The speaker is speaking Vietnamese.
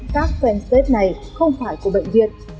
các fanspace này không phải của bệnh viện